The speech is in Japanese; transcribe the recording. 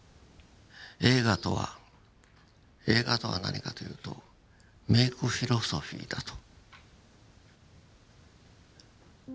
映画とは映画とは何かと言うと「メイク・フィロソフィー」だと。